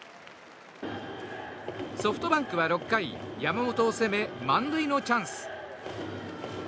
ソフトバンクは６回山本を攻め満塁のチャンス。